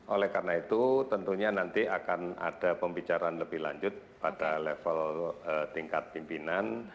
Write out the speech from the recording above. oleh karena itu tentunya nanti akan ada pembicaraan lebih lanjut pada level tingkat pimpinan